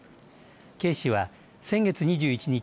警視は先月２１日